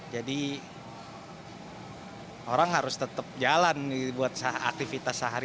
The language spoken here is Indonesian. jadi orang harus tetap jalan buat aktivitas sehari